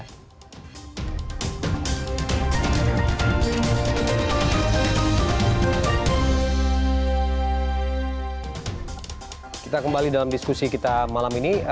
kita kembali dalam diskusi kita malam ini